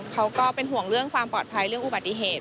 เขาก็เป็นห่วงเรื่องความปลอดภัยเรื่องอุบัติเหตุ